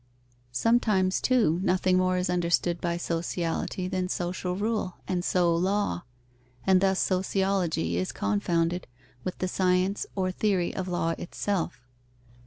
Sometimes, too, nothing more is understood by sociality than social rule, and so law; and thus sociology is confounded with the science or theory of law itself.